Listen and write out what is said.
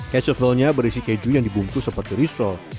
casualnya berisi keju yang dibungkus seperti risol